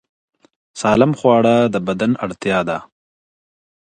سالم خواړه د بدن اړتیا ده.